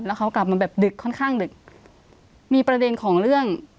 แล้วเขากลับมาแบบดึกค่อนข้างดึกมีประเด็นของเรื่อง